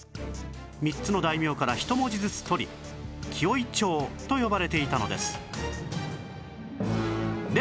３つの大名から１文字ずつ取り紀尾井町と呼ばれていたのです